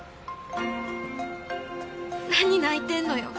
何泣いてんのよ。